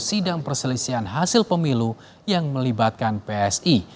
sidang perselisihan hasil pemilu yang melibatkan psi